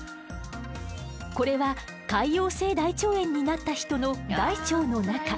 これは潰瘍性大腸炎になった人の大腸の中。